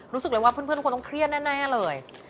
รู้สึกเลยว่าเพื่อนทุกคนต้องเครียดแน่เลย